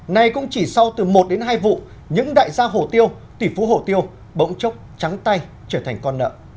này cũng chỉ sau từ một đến hai vụ những đại gia hồ tiêu tỷ phú hổ tiêu bỗng chốc trắng tay trở thành con nợ